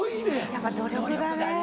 やっぱ努力だね。